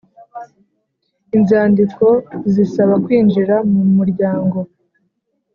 Inzandiko zisaba kwinjira m umuryango